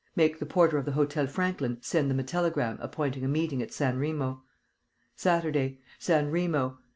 Make the porter of the Hôtel Franklin send them a telegram appointing a meeting at San Remo. "Saturday. San Remo.